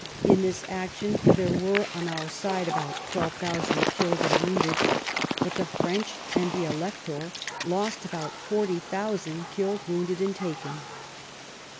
In this action there were on our side about twelve thousand killed and wounded; but the French and the elector lost about forty thousand, killed, wounded, and taken."